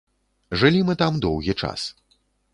Жылі мы там доўгі час.